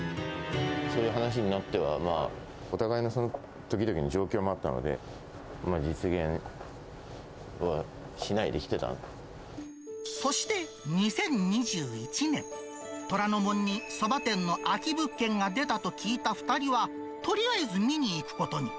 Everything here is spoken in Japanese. そういう話になっては、まあ、お互いのその時々の状況もあったので、そして２０２１年、虎ノ門にそば店の空き物件が出たと聞いた２人は、とりあえず見に行くことに。